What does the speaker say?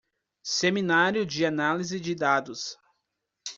Seminário de análise de dados